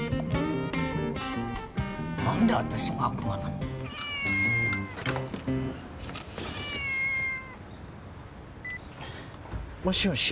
なんで私が悪魔なのよ。もしもし？